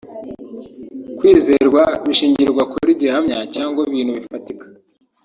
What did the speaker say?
Kwizerwa bishingirwa kuri gihamya cyangwa ibintu bifatika